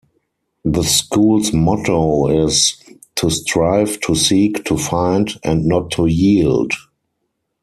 The school's motto is "to strive, to seek, to find and not to yield".